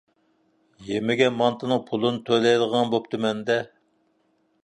يېمىگەن مانتىنىڭ پۇلىنى تۆلەيدىغان بوپتىمەن-دە.